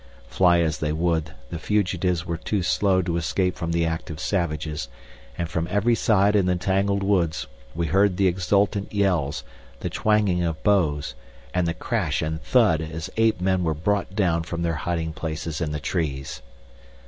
Fly as they would the fugitives were too slow to escape from the active savages, and from every side in the tangled woods we heard the exultant yells, the twanging of bows, and the crash and thud as ape men were brought down from their hiding places in the trees.